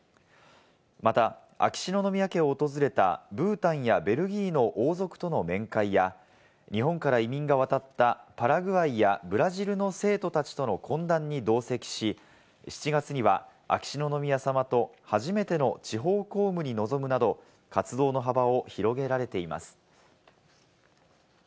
また、秋篠宮家を訪れたブータンやベルギーの王族との面会や日本から移民が渡ったパラグアイやブラジルの生徒たちとの懇談に同席し７月には秋篠宮さまと初めての地方公務に臨むなど、活動の幅を広げられています。